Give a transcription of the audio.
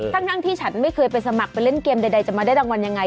ทั้งที่ฉันไม่เคยไปสมัครไปเล่นเกมใดจะมาได้รางวัลยังไง